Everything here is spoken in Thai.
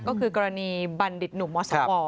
ก็คือกรณีบัณฑิตหนุ่มมศว